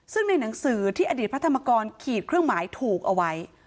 ซึ่งในหนังสือที่อดีตพระธรรมกรขีดเครื่องหมายถูกเอาไว้